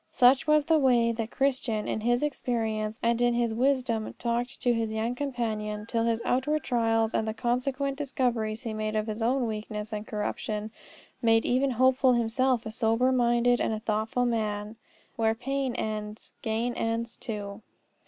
Such was the way that Christian in his experience and in his wisdom talked to his young companion till his outward trials and the consequent discoveries he made of his own weakness and corruption made even Hopeful himself a sober minded and a thoughtful man. "Where pain ends, gain ends too."